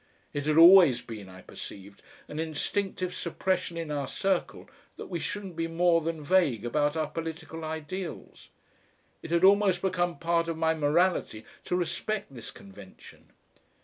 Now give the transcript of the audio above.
It had always been, I perceived, an instinctive suppression in our circle that we shouldn't be more than vague about our political ideals. It had almost become part of my morality to respect this convention.